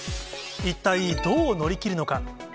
一体どう乗り切るのか。